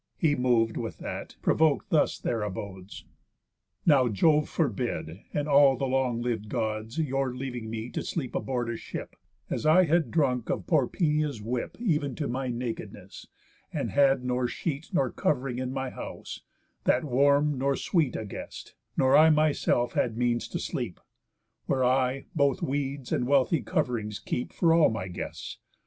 He, mov'd with that, provok'd thus their abodes: "Now Jove forbid, and all the long liv'd Gods, Your leaving me, to sleep aboard a ship; As I had drunk of poor Penia's whip, Even to my nakedness, and had nor sheet Nor cov'ring in my house; that warm nor sweet A guest, nor I myself, had means to sleep; Where I, both weeds and wealthy cov'rings keep For all my guests.